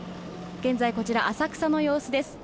現在、こちら、浅草の様子です。